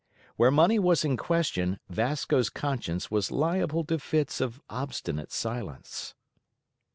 Where money was in question Vasco's conscience was liable to fits of obstinate silence.